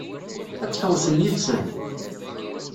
Ad tḥewwsem yid-sen?